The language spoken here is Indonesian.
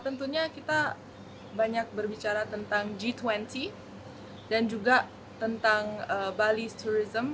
tentunya kita banyak berbicara tentang g dua puluh dan juga tentang bali tourism